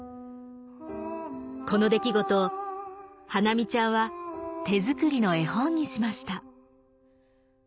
この出来事を華実ちゃんは手作りの絵本にしました